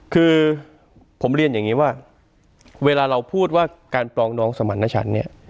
คือผมเรียนอย่างนี้ว่าเวลาเราพูดว่าการปรองดองสมรรถฉันเนี่ย